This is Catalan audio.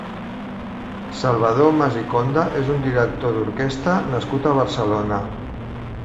Salvador Mas i Conde és un director d'orquesta nascut a Barcelona.